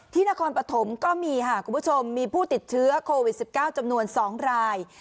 นครปฐมก็มีค่ะคุณผู้ชมมีผู้ติดเชื้อโควิด๑๙จำนวน๒ราย